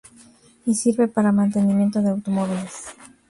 Y sirve para mantenimiento de automóviles.